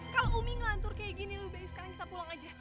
kalau umi ngantur kayak gini lebih baik sekarang kita pulang aja